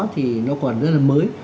thì nó còn rất là mới